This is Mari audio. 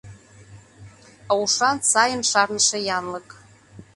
А ушан, сайын шарныше янлык.